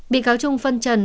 bị cáo trung phân tích